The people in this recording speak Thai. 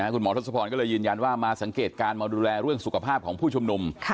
คุณหมอทศพรก็เลยยืนยันว่ามาสังเกตการณ์มาดูแลเรื่องสุขภาพของผู้ชุมนุม